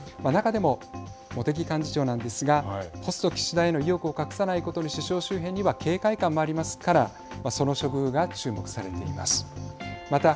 中でも茂木幹事長なんですがポスト岸田への意欲を隠さないことに首相周辺には警戒感もありますからその処遇が注目されています。